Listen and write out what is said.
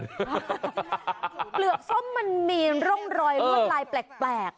เปลือกส้มมันมีร่องรอยลวดลายแปลก